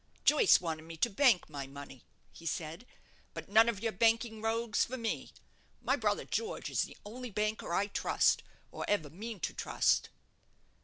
"Joyce wanted me to bank my money," he said; "but none of your banking rogues for me. My brother George is the only banker I trust, or ever mean to trust."